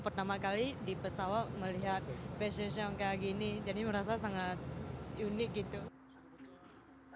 pertama kali di pesawat melihat fashion show kayak gini jadi merasa sangat unik gitu